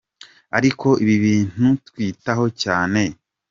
Ariko ibi ni ibintu twitaho cyane".